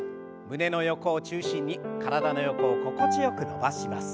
胸の横を中心に体の横を心地よく伸ばします。